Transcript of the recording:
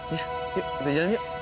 iya yuk kita jalan yuk